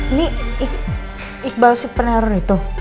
ini iqbal si penerur itu